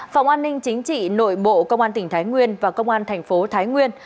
phòng an ninh chính trị nội bộ công an tỉnh thái nguyên và công an thành phố thái nguyên